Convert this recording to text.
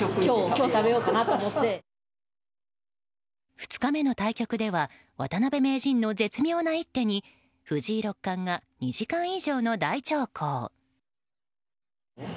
２日目の対局では渡辺名人の絶妙な一手に藤井六冠が２時間以上の大長考。